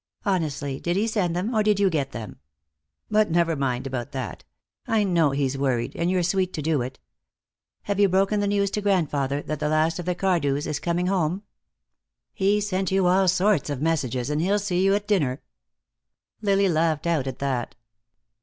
Honestly, did he send them, or did you get them? But never mind about that; I know he's worried, and you're sweet to do it. Have you broken the news to grandfather that the last of the Cardews is coming home?" "He sent you all sorts of messages, and he'll see you at dinner." Lily laughed out at that.